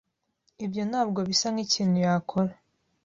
Ibyo ntabwo bisa nkikintu yakora.